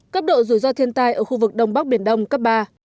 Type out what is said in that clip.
cấp độ rủi ro thiên tai ở khu vực đông bắc biển đông cấp ba